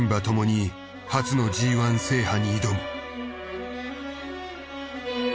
ともに初のＧ制覇に挑む。